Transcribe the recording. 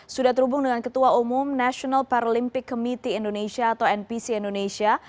sudah terhubung dengan ketua umum national paralympic committee indonesia atau npc indonesia